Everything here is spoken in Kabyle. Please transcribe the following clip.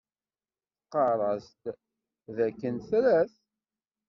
Tqarr-as-d dakken tra-t.